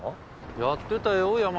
やってたよ八巻